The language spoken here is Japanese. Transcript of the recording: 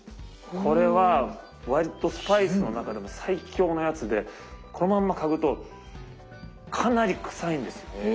これは割とスパイスの中でも最強のやつでこのまんま嗅ぐとかなり臭いんですよ。